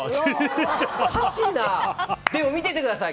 見ててください！